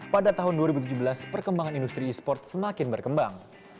pada tahun dua ribu tujuh belas perkembangan industri e sport semakin berkembang